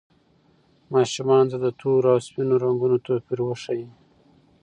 ماشومانو ته د تورو او سپینو رنګونو توپیر وښایئ.